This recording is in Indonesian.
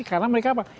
karena mereka apa